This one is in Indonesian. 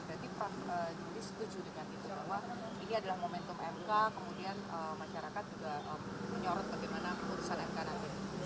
kemudian masyarakat juga menyorot bagaimana keputusan mk nanti